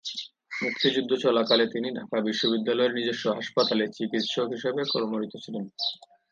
মুক্তিযুদ্ধ চলাকালে তিনি ঢাকা বিশ্ববিদ্যালয়ের নিজস্ব হাসপাতালে চিকিৎসক হিসাবে কর্মরত ছিলেন।